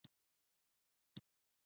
زړونو نېږدې کولو ته.